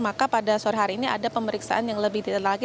maka pada sore hari ini ada pemeriksaan yang lebih detail lagi